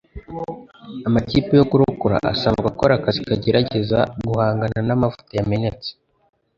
Amakipe yo kurokora asanzwe akora akazi kagerageza guhangana namavuta yamenetse